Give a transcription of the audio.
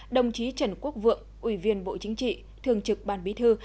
đồng chí trần quốc vượng ủy viên bộ chính trị thường trực ban bí thư